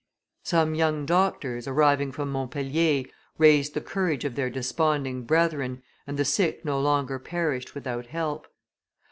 Some young doctors, arriving from Montpellier, raised the courage of their desponding brethren, and the sick no longer perished without help.